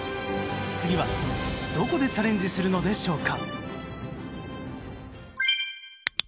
次はどこでチャレンジするのでしょうか。